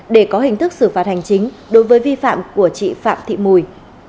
để có hình thức xử phạt hành chính đối với vi phạm của chị phạm thị mùi